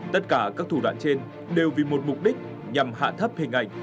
tất cả các thủ đoạn trên đều vì một mục đích nhằm hạ thấp hình ảnh